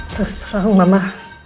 terus terang mama